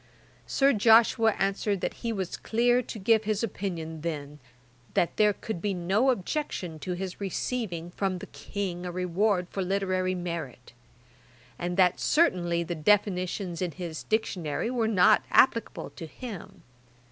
Sir Joshua answered that he was clear to give his opinion then, that there could be no objection to his receiving from the King a reward for literary merit; and that certainly the definitions in his Dictionary were not applicable to him.